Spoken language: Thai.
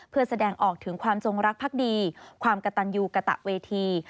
เพื่อแสดงออกถึงความจงรักพักดีความกระตันยูกระตะเวที